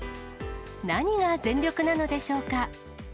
何が全力なのでしょうか。